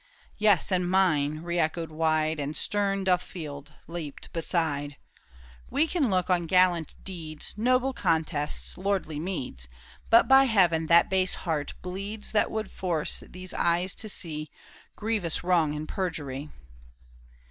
" Yes and mine !" re echoed wide. And stern Duffield leaped beside ;" We can look on gallant deeds. Noble contests, lordly meeds. But by Heaven that base heart bleeds That would force these eyes to see Grievous wrong and perjury."